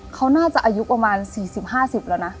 เขาน่าจะอายุประมาณ๔๐๕๐แล้วนะ